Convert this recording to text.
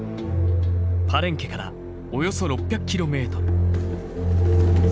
パレンケからおよそ６００ｋｍ。